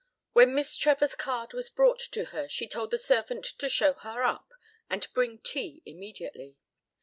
When Miss Trevor's card was brought to her she told the servant to show her up and bring tea immediately.